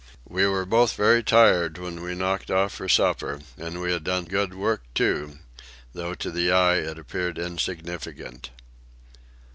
We were both very tired when we knocked off for supper, and we had done good work, too, though to the eye it appeared insignificant.